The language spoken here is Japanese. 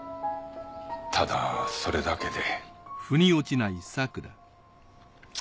ただそれだけで。